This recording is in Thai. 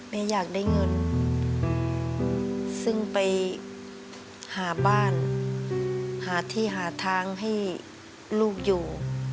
แม่อยากได้เงินซึ่งไปหาบ้านหาที่หาทางให้ลูกอยู่